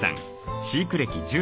飼育歴１０年。